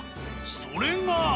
それが。